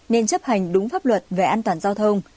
nên chấp hành đúng pháp luật về an toàn giao thông